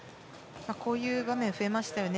こういう場面が増えましたよね。